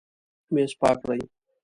میز پاک کړئ